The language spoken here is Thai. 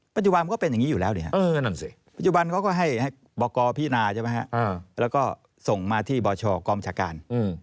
มันก็เป็นอย่างนี้อยู่แล้วปัจจุบันเขาก็ให้บกพินาใช่ไหมฮะแล้วก็ส่งมาที่บชกองชาการ